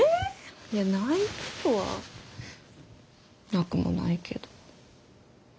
いやないことはなくもないけど。